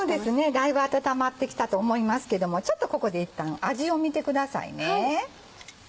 だいぶ温まってきたと思いますけどもちょっとここでいったん味を見てくださいね。